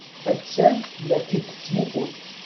Attan la k-id-tettmuqul.